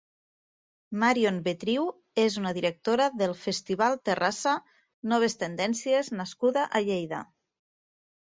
Marion Betriu és una directora del festival Terrassa Noves Tendències nascuda a Lleida.